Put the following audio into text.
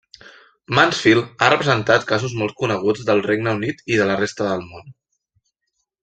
Mansfield ha representat casos molt coneguts del Regne Unit i de la resta del món.